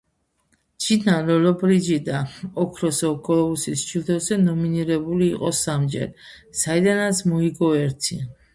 ჯინა ლოლობრიჯიდა ოქროს გლობუსის ჯილდოზე ნომინირებული იყო სამჯერ, საიდანაც მოიგო ერთი.